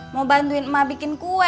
mau bantuin ema bikin kue